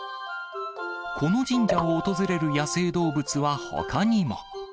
この神社を訪れる野生動物はほかにも。